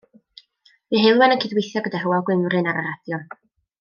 Bu Heulwen yn cydweithio gyda Hywel Gwynfryn ar y radio.